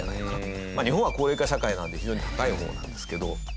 日本は高齢化社会なんで非常に高い方なんですけど。